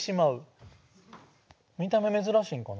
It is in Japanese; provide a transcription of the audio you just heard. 見た目めずらしいんかな？